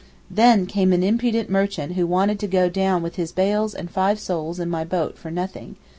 Then came an impudent merchant who wanted to go down with his bales and five souls in my boat for nothing.